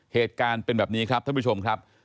เหตุการณ์เป็นแบบนี้ครับท่านผู้ชมครับ